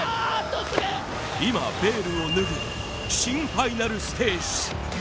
今ベールを脱ぐ新ファイナルステージ